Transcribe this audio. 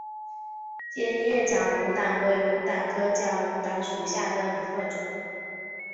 尖叶假龙胆为龙胆科假龙胆属下的一个种。